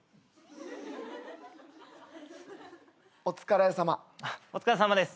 お疲れさま。